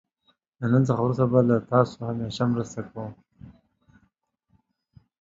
له نن څخه وروسته به له تاسو همېشه مرسته کوم.